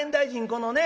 このね